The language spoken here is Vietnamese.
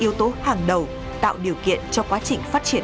yếu tố hàng đầu tạo điều kiện cho quá trình phát triển